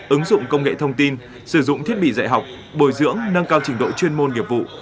ứng dụng công nghệ thông tin sử dụng thiết bị dạy học bồi dưỡng nâng cao trình độ chuyên môn nghiệp vụ